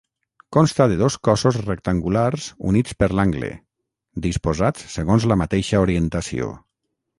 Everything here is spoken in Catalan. Consta de dos cossos rectangulars units per l'angle, disposats segons la mateixa orientació.